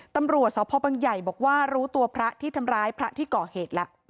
ตำรวจสพบังใหญ่บอกว่ารู้ตัวพระที่ทำร้ายพระที่ก่อเหตุแล้ว